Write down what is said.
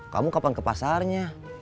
kamu kapan ke pasarnya